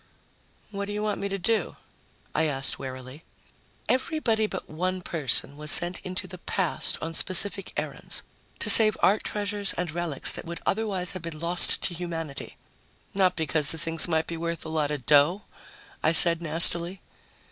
"What do you want me to do?" I asked warily. "Everybody but one person was sent into the past on specific errands to save art treasures and relics that would otherwise have been lost to humanity." "Not because the things might be worth a lot of dough?" I said nastily.